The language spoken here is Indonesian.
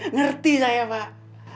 ngerti saya pak